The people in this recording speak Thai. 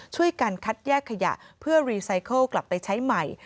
ช่วยกันคัดแยกขยะเพื่อรีไซเคิลกลับไปใช้ใหม่